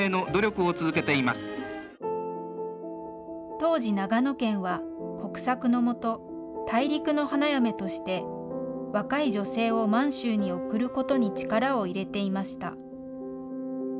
当時、長野県は国策の下、大陸の花嫁として、若い女性を満州に送ることに力を入れていました。